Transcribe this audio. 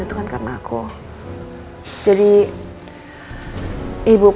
yang berada diphasium